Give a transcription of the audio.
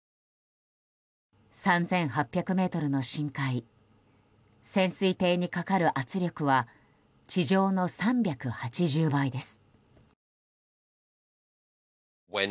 ３８００ｍの深海潜水艇にかかる圧力は地上の３８０倍です。